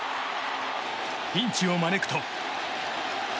ピンチを招くと。